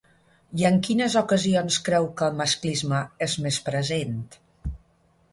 I en quines ocasions creu que el masclisme és més present?